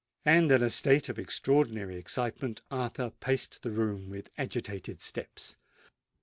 And in a state of extraordinary excitement, Arthur paced the room with agitated steps.